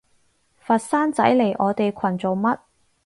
佛山仔嚟我哋群做乜？